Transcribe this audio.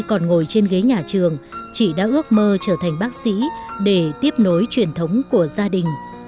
còn ngồi trên ghế nhà trường chị đã ước mơ trở thành bác sĩ để tiếp nối truyền thống của gia đình